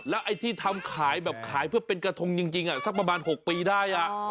ไอ้ที่ทำขายแบบขายเพื่อเป็นกระทงจริงสักประมาณ๖ปีได้